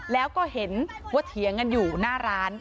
แล้วก็เห็นว่าเถียงกันอยู่หน้าร้าน